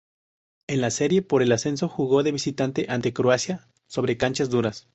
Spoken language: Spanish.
En la serie por el ascenso jugó de visitante ante Croacia sobre canchas duras.